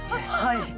はい！